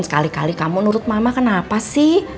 sekali kali kamu nurut mama kenapa sih